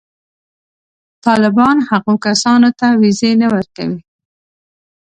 طالبان هغو کسانو ته وېزې نه ورکوي.